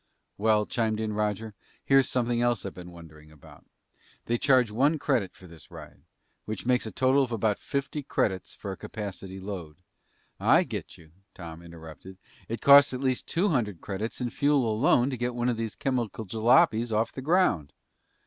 "Well," chimed in Roger, "here's something else I've been wondering about. They charge one credit for this ride. Which makes a total of about fifty credits for a capacity load " "I get you," Tom interrupted. "It costs at least two hundred credits in fuel alone to get one of these chemical jalopies off the ground!"